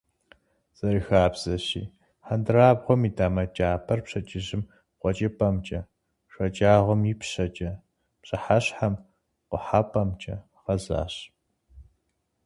Зэрыхабзэщи, хьэндырабгъуэм и дамэ кӀапэр пщэдджыжьым къуэкӀыпӀэмкӀэ, шэджагъуэм — ипщэкӀэ, пщыхьэщхьэм — къухьэпӀэмкӀэ гъэзащ.